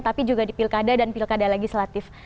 tapi juga di pilkada dan pilkada legislatif